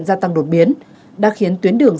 gia tăng đột biến đã khiến tuyến đường